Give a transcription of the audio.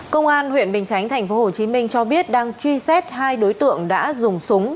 công an huyện bình chánh tp hcm cho biết đang truy xét hai đối tượng đã dùng súng